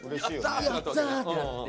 「やった！」ってなって。